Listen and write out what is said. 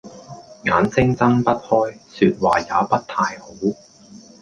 眼睛睜不開，說話也不太好